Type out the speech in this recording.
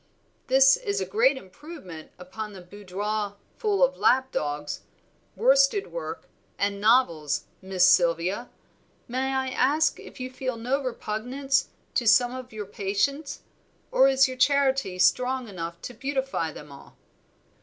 "This is a great improvement upon the boudoir full of lap dogs, worsted work and novels, Miss Sylvia. May I ask if you feel no repugnance to some of your patients; or is your charity strong enough to beautify them all?"